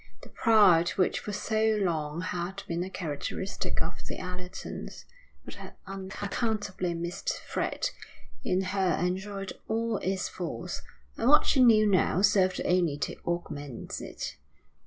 The pride which for so long had been a characteristic of the Allertons, but had unaccountably missed Fred, in her enjoyed all its force; and what she knew now served only to augment it.